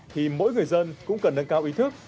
thì mỗi người dân cũng cần nâng cao ý thức